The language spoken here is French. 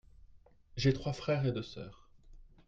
J'ai trois frères et deux sœurs.